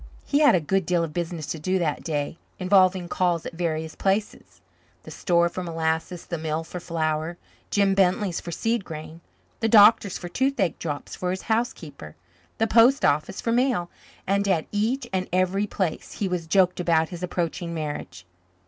He had a good deal of business to do that day, involving calls at various places the store for molasses, the mill for flour, Jim Bentley's for seed grain, the doctor's for toothache drops for his housekeeper, the post office for mail and at each and every place he was joked about his approaching marriage.